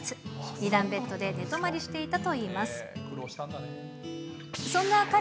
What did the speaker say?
２段ベッドで寝泊まりしていたといいます。